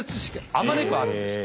あまねくあるんですよ。